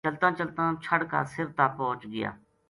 چلتاں چلتاں چھَڑ کا سر تا پوہچ گیا